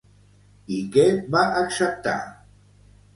I què va acceptar?